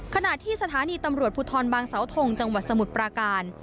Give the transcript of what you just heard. ขณะที่สถานีตำรวจภูทรบางเสาทงจังหวัดสมุทรปราการ